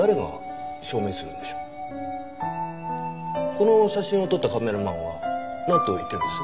この写真を撮ったカメラマンはなんと言ってるんです？